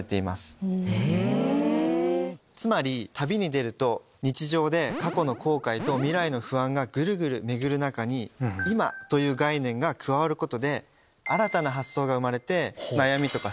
つまり旅に出ると日常で過去の後悔と未来の不安がぐるぐる巡る中に「今」という概念が加わることで新たな発想が生まれて悩みとか